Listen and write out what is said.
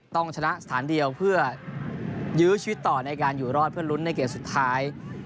ต้องชนะสถานเดียวเพื่อยื้อชีวิตต่อในการอยู่รอดเพื่อลุ้นในเกมสุดท้าย